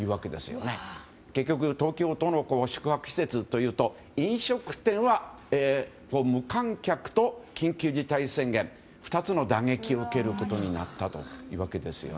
結局、東京都の宿泊施設というと飲食店は無観客と緊急事態宣言２つの打撃を受けることになったというわけです。